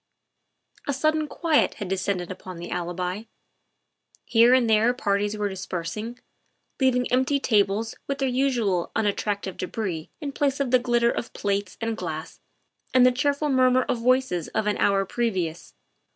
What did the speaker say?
A sudden quiet had descended upon the Alibi. Here and there parties were dispersing, leaving empty tables with their usual unattractive debris in place of the glitter of plate and glass and the cheerful murmur of voices of an hour previous.